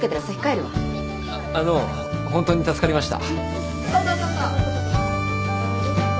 あの本当に助かりました。